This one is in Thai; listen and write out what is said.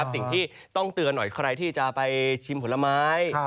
สิ่งที่ต้องเตือนหน่อยใครที่จะไปชิมผลไม้